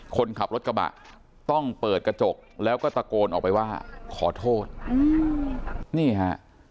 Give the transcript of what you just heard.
คนขับรถกระบะต้องเปิดกระจกแล้วก็ตะโกนออกไปว่าขอโทษนี่ฮะ